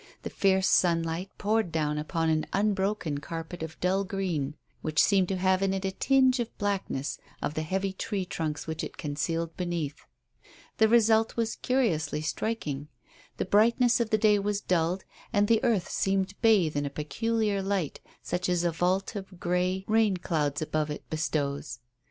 The fierce sunlight poured down upon an unbroken carpet of dull green, which seemed to have in it a tinge of the blackness of the heavy tree trunks which it concealed beneath. The result was curiously striking. The brightness of the day was dulled, and the earth seemed bathed in a peculiar light such as a vault of grey rain clouds above it bestows.